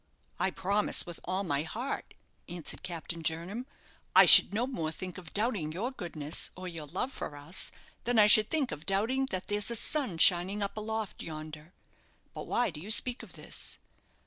"I promise, with all my heart," answered Captain Jernam; "I should no more think of doubting your goodness or your love for us, than I should think of doubting that there's a sun shining up aloft yonder. But why do you speak of this?"